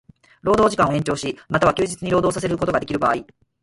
労働時間を延長し、又は休日に労働させることができる場合